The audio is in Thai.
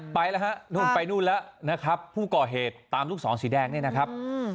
ไปแล้วฮะนู่นไปนู่นแล้วนะครับผู้ก่อเหตุตามลูกศรสีแดงนี่นะครับ